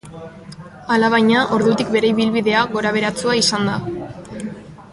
Alabaina ordutik bere ibilbidea gorabeheratsua izan da.